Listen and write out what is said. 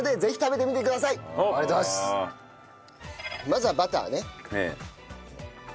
まずはバターね。